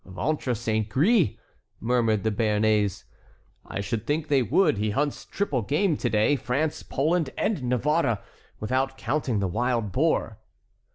"Ventre saint gris!" murmured the Béarnais. "I should think they would; he hunts triple game to day: France, Poland, and Navarre, without counting the wild boar."